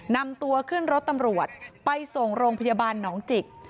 นำตัวขึ้นรถตำรวจไปส่งโรงพยาบาลหนองจิก